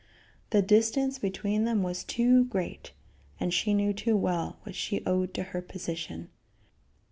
The distance between them was too great, and she knew too well what she owed to her position.